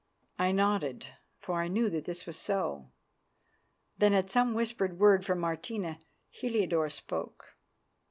I nodded, for I knew that this was so. Then, at some whispered word from Martina, Heliodore spoke.